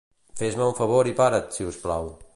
Fes-me un favor i parat, si us plau.